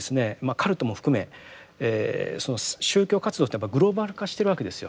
カルトも含めその宗教活動というのはグローバル化してるわけですよ。